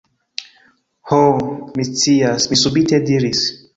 Ho! mi scias! mi subite diris.